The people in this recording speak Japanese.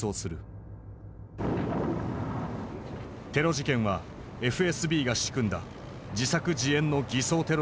テロ事件はＦＳＢが仕組んだ自作自演の偽装テロだと証言したのだ。